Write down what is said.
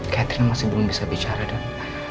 catherine masih belum bisa bicara dan